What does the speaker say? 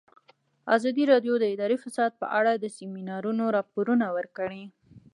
ازادي راډیو د اداري فساد په اړه د سیمینارونو راپورونه ورکړي.